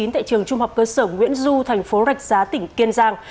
tại trường trung học cơ sở nguyễn du thành phố rạch giá tỉnh kiên giang